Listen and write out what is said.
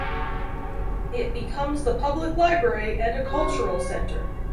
It becomes the Public Library and a cultural center.